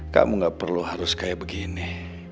kamu gak perlu harus kayak begini